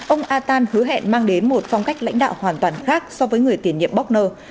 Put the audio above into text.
ông attal hứa hẹn mang đến một phong cách lãnh đạo hoàn toàn khác so với người tiền nhiệm bogner